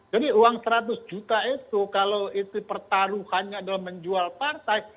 jadi uang seratus juta itu kalau itu pertaruhannya adalah menjual partai